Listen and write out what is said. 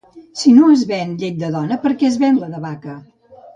Si no es ven llet de dona perquè es ven la de vaca?